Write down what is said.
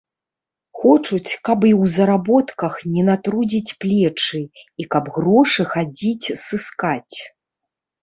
Хочуць, каб і ў заработках не натрудзіць плечы і каб грошы хадзіць сыскаць.